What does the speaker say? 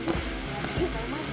ありがとうございます。